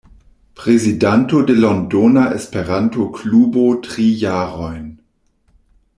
Prezidanto de Londona Esperanto-Klubo tri jarojn.